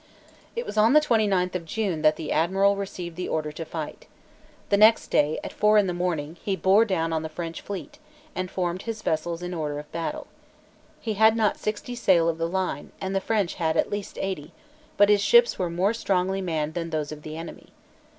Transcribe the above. It was on the twenty ninth of June that the Admiral received the order to fight. The next day, at four in the morning, he bore down on the French fleet, and formed his vessels in order of battle. He had not sixty sail of the line, and the French had at least eighty; but his ships were more strongly manned than those of the enemy.